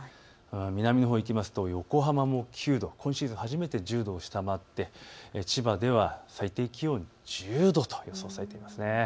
南のほうに行くと横浜も９度、今シーズン初めて１０度を下回って千葉では最低気温１０度と予想されています。